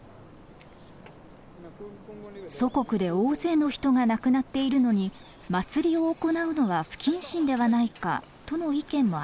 祖国で大勢の人が亡くなっているのに祭りを行うのは不謹慎ではないかとの意見もありました。